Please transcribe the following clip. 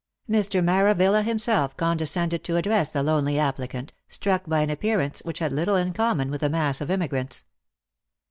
Mr. Maravilla himself condescended to address the lonely applicant, struck by an appearance which had little in common with the mass of emigrants.